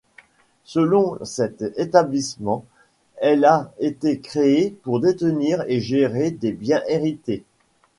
Selon cet établissement, elle a été créée pour détenir et gérer des biens hérités.